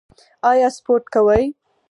ایا سپورت کوئ؟